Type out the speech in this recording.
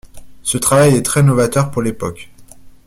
Ce travail est très novateur pour l'époque.